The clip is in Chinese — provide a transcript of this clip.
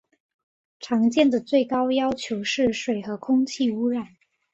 常见的最高要求是水和空气污染。